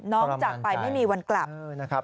น้องจับไปไม่มีวันกลับ